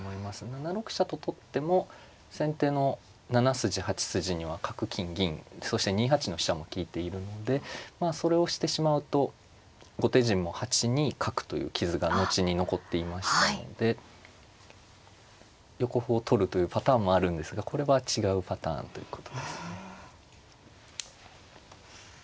７六飛車と取っても先手の７筋８筋には角金銀そして２八の飛車も利いているのでそれをしてしまうと後手陣も８二角という傷が後に残っていましたので横歩を取るというパターンもあるんですがこれは違うパターンということですね。